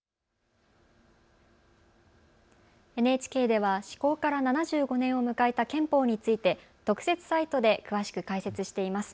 ＮＨＫでは施行から７５年を迎えた憲法について特設サイトで詳しく解説しています。